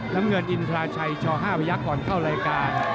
น้ำเงินอินทราชัยช๕พยักษ์ก่อนเข้ารายการ